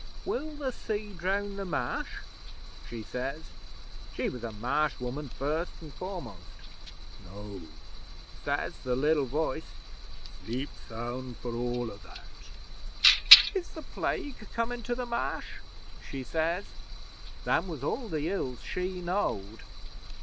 '"Will the sea drown the Marsh?" she says. She was a Marsh woman first an' foremost. '"No," says the liddle voice. "Sleep sound for all o' that." '"Is the Plague comin' to the Marsh?" she says. Them was all the ills she knowed.